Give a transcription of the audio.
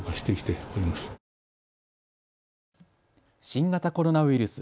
新型コロナウイルス。